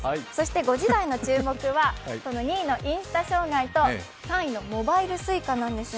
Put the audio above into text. ５時台の注目は２位のインスタ障害と３位のモバイルＳｕｉｃａなんですが。